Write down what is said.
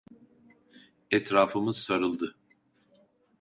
Etrafımız sarıldı.